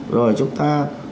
rồi chúng ta